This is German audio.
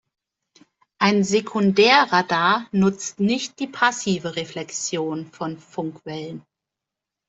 Ein Sekundärradar nutzt nicht die "passive" Reflexion von Funkwellen.